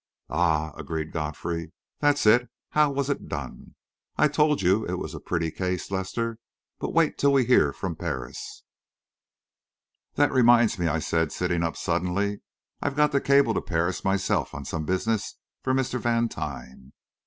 "Ah!" agreed Godfrey. "That's it! How was it done? I told you it was a pretty case, Lester. But wait till we hear from Paris." "That reminds me," I said, sitting up suddenly, "I've got to cable to Paris myself, on some business for Mr. Vantine."